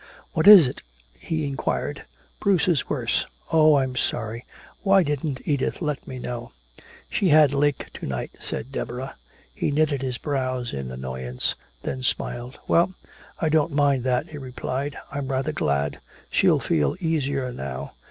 "What is it?" he inquired. "Bruce is worse." "Oh I'm sorry. Why didn't Edith let me know?" "She had Lake to night," said Deborah. He knitted his brows in annoyance, then smiled. "Well, I don't mind that," he replied. "I'm rather glad. She'll feel easier now.